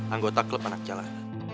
anggota klub anak calah